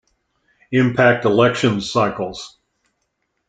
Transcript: Impact elections cycles.